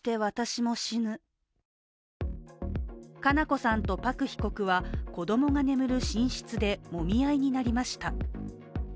佳菜子さんとパク被告は子供が眠る寝室でもみ合いになりました。